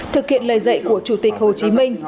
thực hiện lời dạy của chủ tịch hồ chí minh